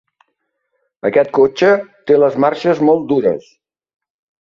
Aquest cotxe té les marxes molt dures.